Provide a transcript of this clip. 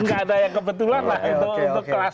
nggak ada yang kebetulan lah itu untuk kelas